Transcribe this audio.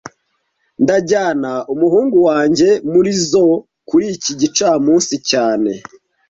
Ndajyana umuhungu wanjye muri zoo kuri iki gicamunsi cyane